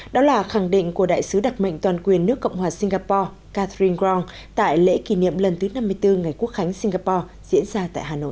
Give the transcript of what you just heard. đó là khẳng định của đại sứ đặc mệnh toàn quyền nước cộng hòa singapore cathring grong tại lễ kỷ niệm lần thứ năm mươi bốn ngày quốc khánh singapore diễn ra tại hà nội